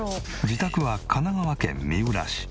自宅は神奈川県三浦市。